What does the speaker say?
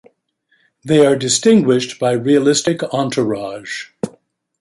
They are distinguished by realistic entourage.